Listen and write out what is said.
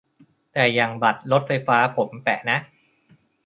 แต่อย่างบัตรรถไฟฟ้าผมแปะนะ